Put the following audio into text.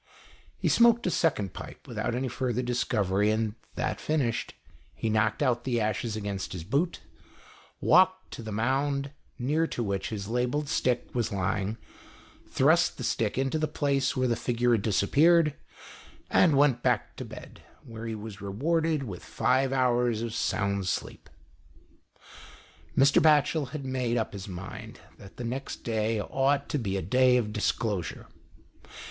He smoked a second pipe without any further discovery, and that finished, he knocked out the ashes against his boot, walked to the mound, near to which his labelled stick was lying, thrust the stick into the place where the figure had disappeared, and went back to bed, where he was rewarded with five hours of sound sleep. Mr. Batchel had made up his mind that the next day ought to be a day of disclosure.